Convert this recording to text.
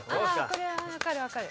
これは分かる分かる。